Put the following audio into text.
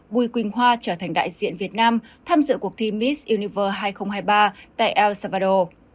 bùi quỳnh hoa trở thành đại diện việt nam tham dự cuộc thi miss univer hai nghìn hai mươi ba tại el salvador